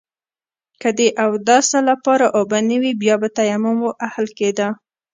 که د اوداسه لپاره اوبه نه وي بيا به تيمم وهل کېده.